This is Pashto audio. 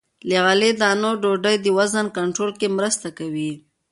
له غلې- دانو ډوډۍ د وزن کنټرول کې مرسته کوي.